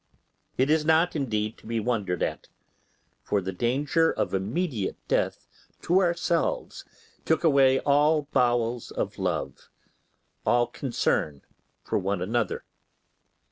It is not, indeed, to be wondered at: for the danger of immediate death to ourselves took away all bowels of love, all concern for one another.